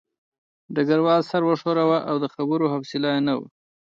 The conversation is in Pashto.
ډګروال سر وښوراوه او د خبرو حوصله یې نه وه